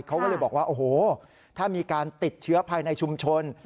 เขาก็เลยบอกว่าโอ้โหถ้ามีการติดเชื้อภายในชุมชน